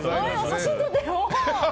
写真撮ってる。